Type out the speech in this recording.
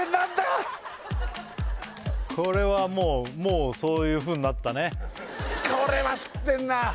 これはもうそういうふうになったね